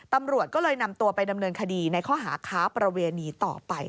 ตำรวจก็เลยนำตัวไปดำเนินคดีในข้อหาค้าประเวณีต่อไป